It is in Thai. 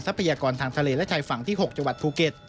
พยากรทางทะเลและชายฝั่งที่๖จังหวัดภูเก็ต